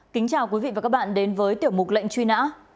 kính chào quý vị và các bạn đến với tiểu mục lệnh truy nã